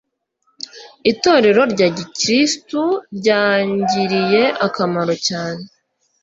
Itorero rya gikristo ryangiriye akamaro cyane.